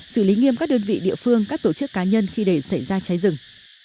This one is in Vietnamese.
xử lý nghiêm các đơn vị địa phương các tổ chức cá nhân khi để xảy ra cháy rừng